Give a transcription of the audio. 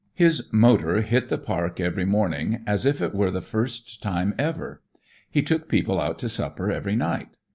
His motor hit the Park every morning as if it were the first time ever. He took people out to supper every night.